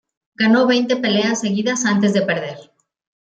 Ganó veinte peleas seguidas antes de perder.